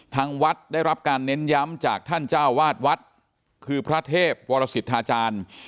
ทางวัดได้รับการเน้นย้ำจากท่านเจ้าวาดวัดคือพระเทพวรสิทธาจารย์